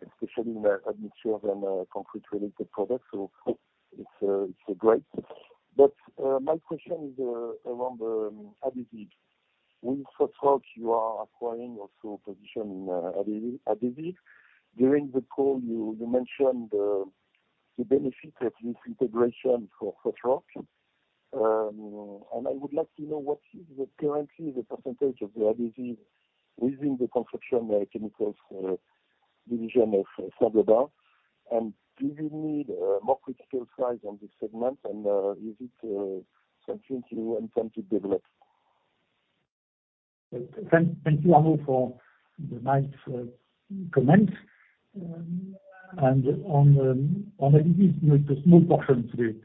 especially in admixtures and concrete-related products. So it's great. But my question is around the adhesives. With Fosroc, you are acquiring also a position in adhesives. During the call, you mentioned the benefit of this integration for Fosroc. And I would like to know what is currently the percentage of the adhesives within the construction chemicals division of Saint-Gobain. And do you need more critical mass on this segment, and is it something you intend to develop? Thank you, Arnaud, for the nice comment. And on adhesives, it's a small portion today.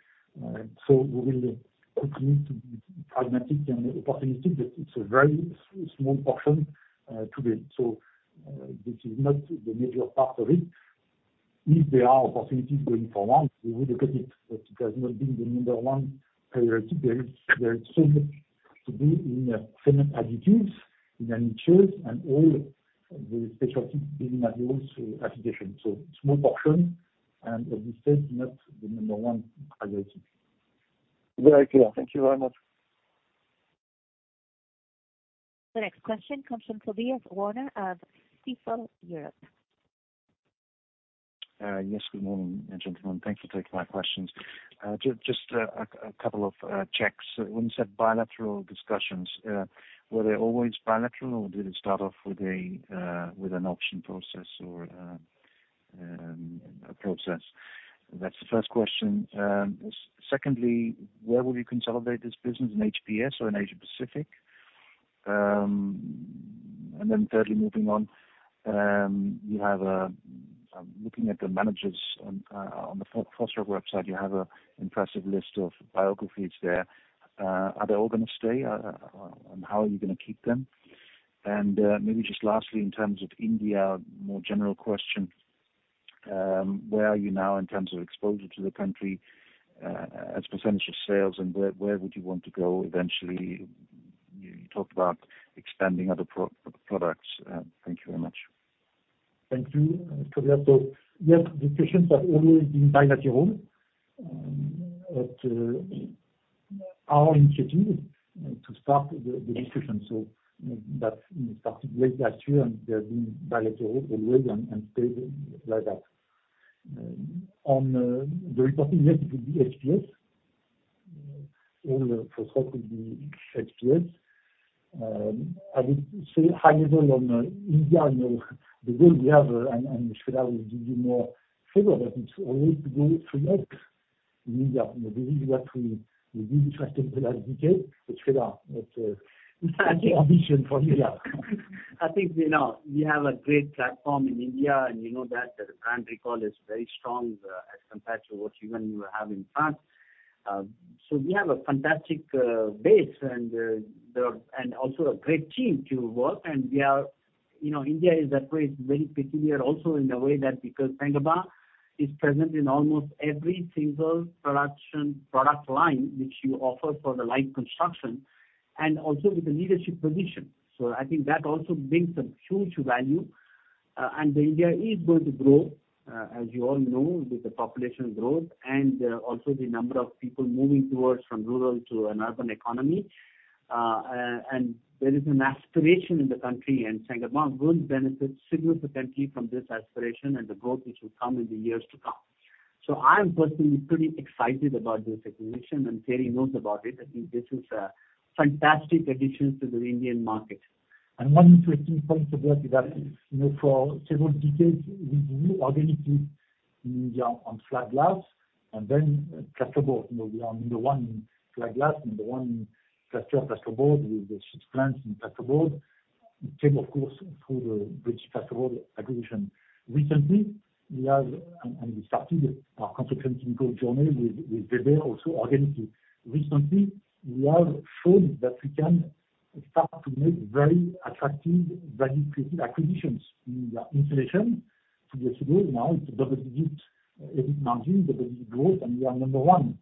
So we will continue to be pragmatic and opportunistic, but it's a very small portion today. So this is not the major part of it. If there are opportunities going forward, we will look at it. It has not been the number one priority. There is so much to do in cement, adhesives, in admixtures, and all the specialty building materials applications. Small portion, and as you said, not the number one priority. Very clear. Thank you very much. The next question comes from Tobias Woerner of Stifel Europe. Yes. Good morning, gentlemen. Thanks for taking my questions. Just a couple of checks. When you said bilateral discussions, were they always bilateral, or did it start off with an auction process or a process? That's the first question. Secondly, where will you consolidate this business, in HPS or in Asia-Pacific? And then thirdly, moving on, looking at the managers on the Fosroc website, you have an impressive list of biographies there. Are they all going to stay, and how are you going to keep them? And maybe just lastly, in terms of India, more general question, where are you now in terms of exposure to the country as percentage of sales, and where would you want to go eventually? You talked about expanding other products. Thank you very much. Thank you, Tobias. So yes, discussions have always been bilateral, but our initiative to start the discussion. So that started late last year, and they have been bilateral always and stayed like that. On the reporting, yes, it would be HPS. All Fosroc would be HPS. I would say high level on India, the goal we have, and Sreedhar will give you more flavor, but it's always to go 3x in India. This is what we did the first of the last decade, Sreedhar. It's an ambition for India. I think we have a great platform in India, and you know that the brand recall is very strong as compared to what you have in France. We have a fantastic base and also a great team to work. India is, I'd say, very peculiar also in a way that because Saint-Gobain is present in almost every single product line which you offer for the light construction and also with the leadership position. I think that also brings some huge value. India is going to grow, as you all know, with the population growth and also the number of people moving towards from rural to an urban economy. There is an aspiration in the country, and Saint-Gobain will benefit significantly from this aspiration and the growth which will come in the years to come. I am personally pretty excited about this acquisition, and Thierry knows about it. I think this is a fantastic addition to the Indian market. One interesting point to note is that for several decades, we grew organically in India on flat glass and then plasterboard. We are number one in flat glass, number one in plasterboard with the six plants in plasterboard. It came, of course, through the British Gypsum acquisition. Recently, we have started our construction chemical journey with Weber, also organically. Recently, we have shown that we can start to make very attractive value-creating acquisitions in the insulation. Two years ago, now it's a double-digit EBIT margin, double-digit growth, and we are number one.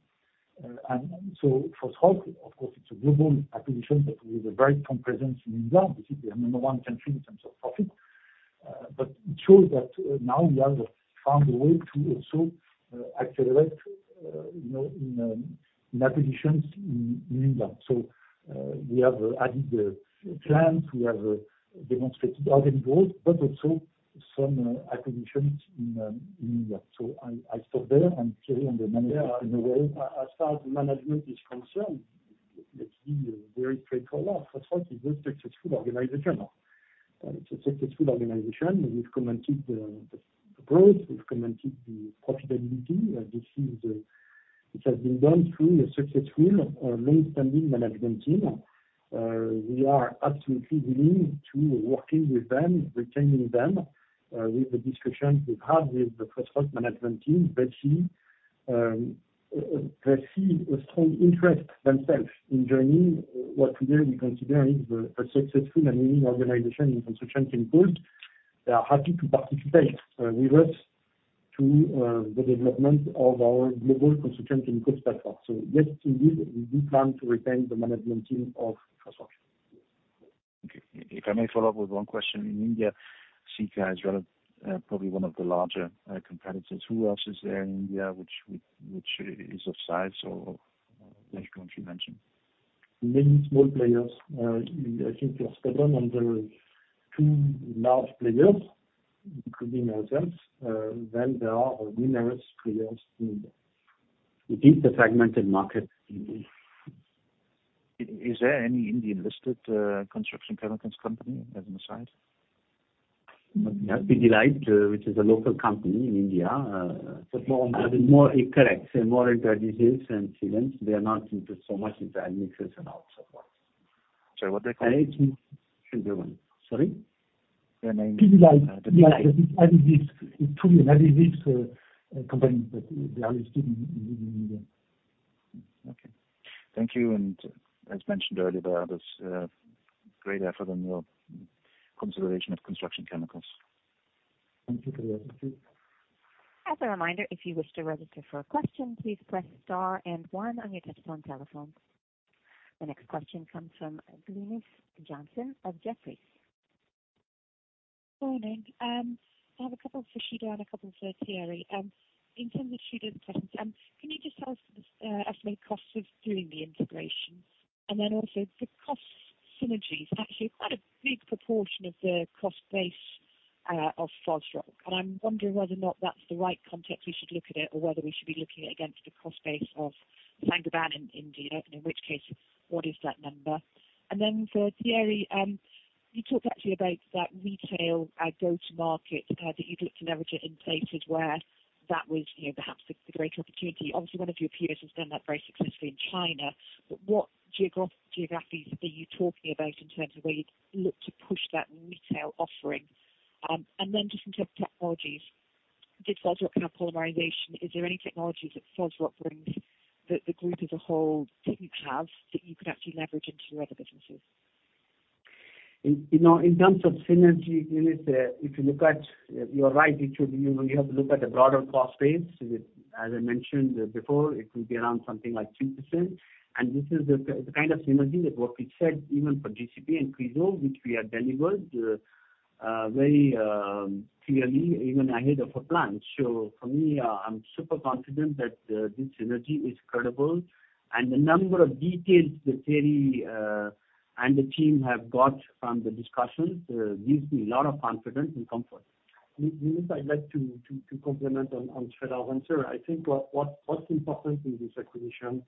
And so Fosroc, of course, it's a global acquisition, but we have a very strong presence in India. This is the number one country in terms of profit. But it shows that now we have found a way to also accelerate in acquisitions in India. So we have added the plants, we have demonstrated organic growth, but also some acquisitions in India. So I stop there, and Thierry, on the management in a way. As far as the management is concerned, let's be very straightforward. Fosroc is a very successful organization. It's a successful organization. We've commented the growth, we've commented the profitability. This has been done through a successful, long-standing management team. We are absolutely willing to work with them, retaining them with the discussions we've had with the Fosroc management team. They see a strong interest themselves in joining what today we consider is a successful and winning organization in construction chemicals. They are happy to participate with us to the development of our global construction chemicals platform. So yes, indeed, we do plan to retain the management team of Fosroc. Okay. If I may follow up with one question, in India, Sika is probably one of the larger competitors. Who else is there in India which is of size or which can be mentioned? Many small players. I think you're spot on on the two large players, including ourselves. Then there are numerous players in India. It is a fragmented market, indeed. Is there any Indian-listed construction chemicals company as an aside? We have Pidilite, which is a local company in India. More on adhesives. Correct. More into adhesives and sealants. They are not so much into admixtures and exterior products. Sorry, what's their company? It's Pidilite. Sorry? Their name is? Pidilite. It's an Indian adhesives company, but they are listed in India. Okay. Thank you. As mentioned earlier, there are those great efforts on your consideration of construction chemicals. Thank you, Tobias. Thank you. As a reminder, if you wish to register for a question, please press star and one on your touch-tone telephone. The next question comes from Glynis Johnson of Jefferies. Good morning. I have a couple for Sreedhar and a couple for Thierry. In terms of Sreedhar's questions, can you just tell us the estimated costs of doing the integration? And then also, the cost synergies actually are quite a big proportion of the cost base of Fosroc. And I'm wondering whether or not that's the right context we should look at it or whether we should be looking at it against the cost base of Saint-Gobain in India, in which case, what is that number? And then for Thierry, you talked actually about that retail go-to-market that you'd look to leverage it in places where that was perhaps the great opportunity. Obviously, one of your peers has done that very successfully in China. But what geographies are you talking about in terms of where you'd look to push that retail offering? Then just in terms of technologies, did Fosroc have polymerization? Is there any technologies that Fosroc brings that the group as a whole didn't have that you could actually leverage into your other businesses? In terms of synergy, Glynis, if you look at your right, you have to look at the broader cost base. As I mentioned before, it will be around something like 3%. And this is the kind of synergy that what we said, even for GCP and Chryso, which we have delivered very clearly, even ahead of our plans. So for me, I'm super confident that this synergy is credible. And the number of details that Thierry and the team have got from the discussions gives me a lot of confidence and comfort. Glynis, I'd like to comment on Sreedhar's answer. I think what's important in this acquisition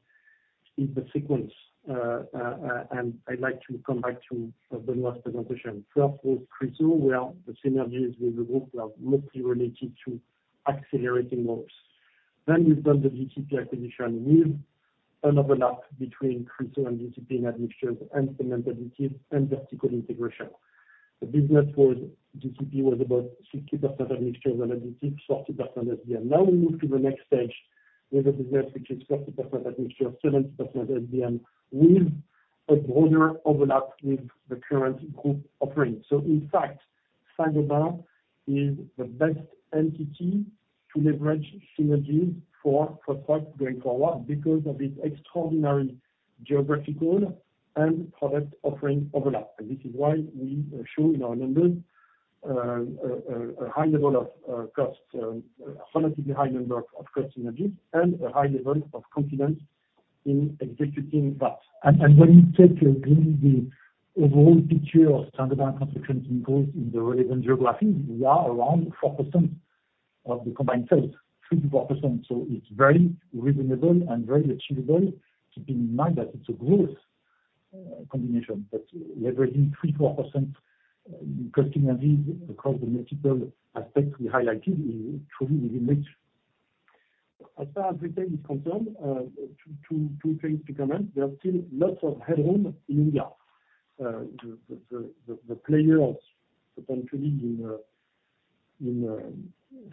is the sequence. I'd like to come back to Benoit's presentation. First was Chryso, where the synergies with the group are mostly related to accelerating growth. Then we've done the GCP acquisition with an overlap between Chryso and GCP in admixtures and cement additives and vertical integration. The business was GCP was about 50% admixtures and additives, 40% SBM. Now we move to the next stage with a business which is 40% admixtures, 70% SBM with a broader overlap with the current group offering. So in fact, Saint-Gobain is the best entity to leverage synergies for Fosroc going forward because of its extraordinary geographical and product offering overlap. This is why we show in our numbers a high level of cost, a relatively high number of cost synergies, and a high level of confidence in executing that. When you take really the overall picture of Saint-Gobain construction chemicals in the relevant geographies, we are around 4% of the combined sales, 3%-4%. So it's very reasonable and very achievable, keeping in mind that it's a growth combination. But leveraging 3%-4% cost synergies across the multiple aspects we highlighted is truly within reach. As far as retail is concerned, two things to comment. There are still lots of headroom in India. The players, potentially in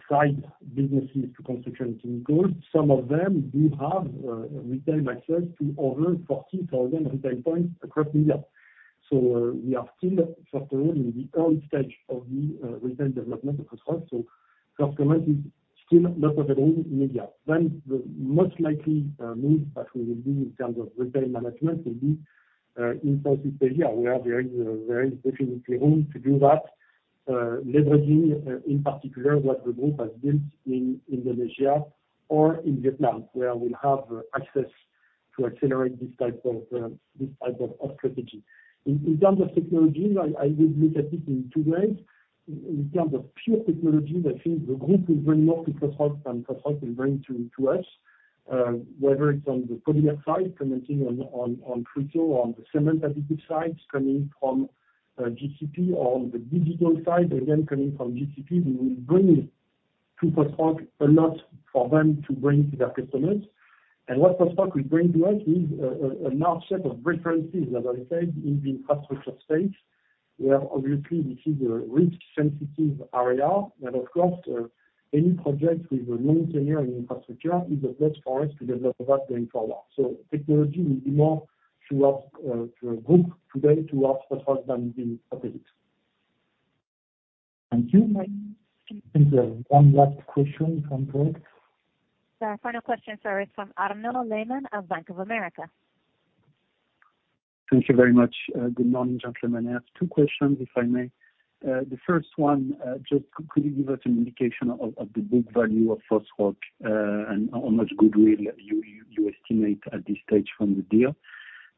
side businesses to construction chemicals, some of them do have retail access to over 40,000 retail points across India. So we are still, first of all, in the early stage of the retail development of Fosroc. So first comment is still lots of headroom in India. Then the most likely move that we will do in terms of retail management will be in Southeast Asia, where there is definitely room to do that, leveraging in particular what the group has built in Indonesia or in Vietnam, where we'll have access to accelerate this type of strategy. In terms of technologies, I would look at it in two ways. In terms of pure technologies, I think the group will bring more to Fosroc than Fosroc will bring to us, whether it's on the polymer side, commenting on Chryso, on the cement additive side coming from GCP, or on the digital side, again, coming from GCP, we will bring to Fosroc a lot for them to bring to their customers. And what Fosroc will bring to us is a large set of references, as I said, in the infrastructure space, where obviously this is a risk-sensitive area. And of course, any project with a long tenure in infrastructure is a plus for us to develop that going forward. So technology will be more towards the group today towards Fosroc than the opposite. Thank you. Thank you. One last question from Greg. Final question, sorry, from Arnaud Lehmann of Bank of America. Thank you very much. Good morning, gentlemen. I have two questions, if I may. The first one, just could you give us an indication of the book value of Fosroc and how much goodwill you estimate at this stage from the deal?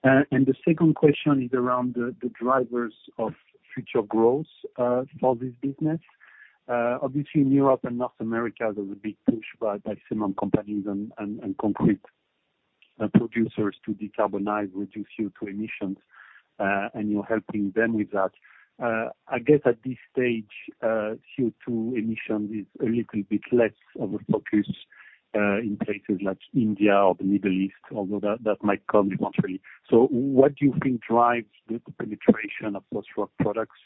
And the second question is around the drivers of future growth for this business. Obviously, in Europe and North America, there's a big push by cement companies and concrete producers to decarbonize, reduce CO2 emissions, and you're helping them with that. I guess at this stage, CO2 emissions is a little bit less of a focus in places like India or the Middle East, although that might come eventually. So what do you think drives the penetration of Fosroc products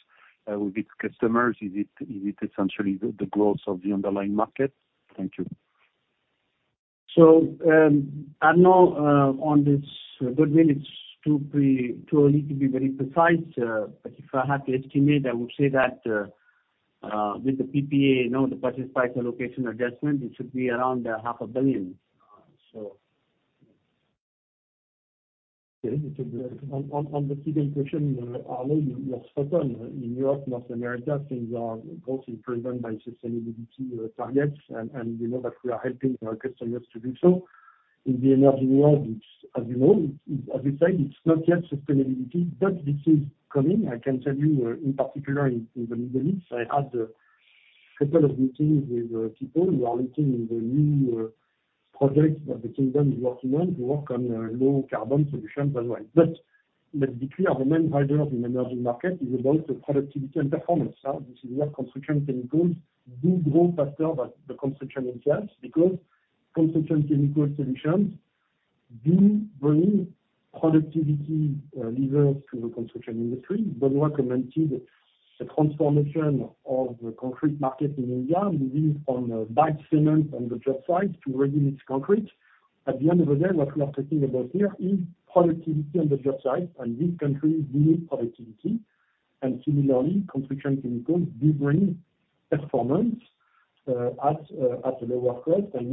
with its customers? Is it essentially the growth of the underlying market? Thank you. I don't know on this goodwill. It's too early to be very precise. But if I had to estimate, I would say that with the PPA, the purchase price allocation adjustment, it should be around EUR 500 million. Thank you. On the CBA question, Arnaud, we're certain in Europe, North America, things are both improving by sustainability targets, and we know that we are helping our customers to do so. In the energy world, as you said, it's not yet sustainability, but this is coming. I can tell you, in particular, in the Middle East, I had a couple of meetings with people who are looking in the new projects that the kingdom is working on to work on low-carbon solutions as well. But let's be clear, the main drivers in the energy market is about productivity and performance. This is where construction chemicals do grow faster than the construction itself because construction chemical solutions do bring productivity levers to the construction industry. Benoît commented the transformation of the concrete market in India, moving from batch cement on the job site to ready-mix concrete. At the end of the day, what we are talking about here is productivity on the job site, and these countries do need productivity. Similarly, construction chemicals do bring performance at a lower cost. With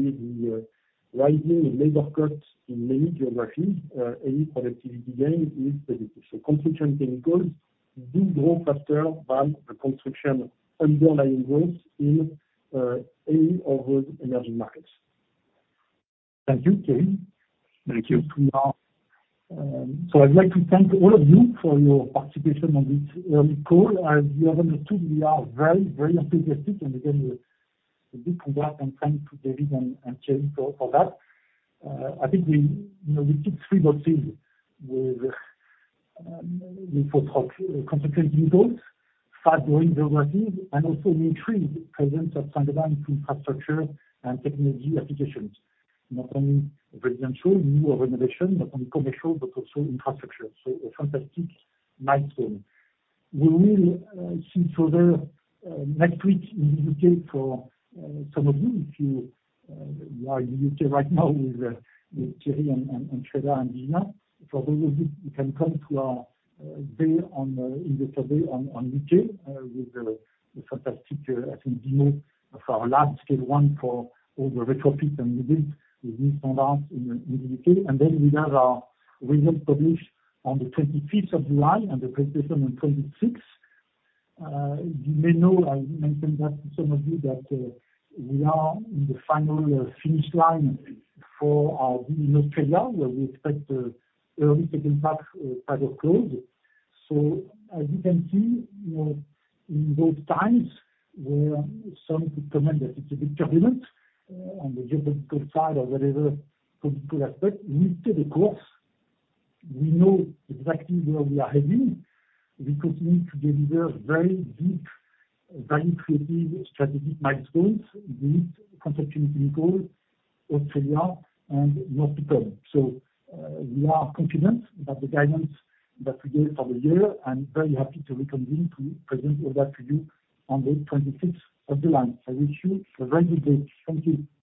the rising labor costs in many geographies, any productivity gain is positive. So construction chemicals do grow faster than the construction underlying growth in any of those emerging markets. Thank you. Thierry. Thank you. I'd like to thank all of you for your participation on this early call. As you have understood, we are very, very enthusiastic. Again, a big congrats and thanks to David and Thierry for that. I think we ticked three boxes with Fosroc: construction chemicals, fast-growing geographies, and also an increased presence of Saint-Gobain to infrastructure and technology applications, not only residential, new or renovation, not only commercial, but also infrastructure. A fantastic milestone. We will see each other next week in the U.K. for some of you. If you are in the U.K. right now with Thierry and Sreedhar and Glynis, for those of you, you can come to our day in the Isover on U.K. with the fantastic, I think, demo of our lab, Scale One, for all the retrofits and rebuilds with new standards in the U.K. Then we have our results published on the July 25th and the presentation on the 26th. You may know, I mentioned that to some of you, that we are in the final finish line for our deal in Australia, where we expect the early second half type of close. So as you can see, in those times where some could comment that it's a bit turbulent on the geopolitical side or whatever political aspect, we stay the course. We know exactly where we are heading. We continue to deliver very deep, value-creative strategic milestones with construction chemicals, Australia, and more to come. So we are confident about the guidance that we gave for the year and very happy to reconvene to present all that to you on the July 26th. I wish you a very good day. Thank you.